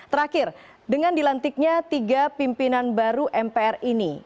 terakhir dengan dilantiknya tiga pimpinan baru mpr ini